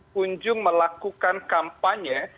punjung melakukan kampanye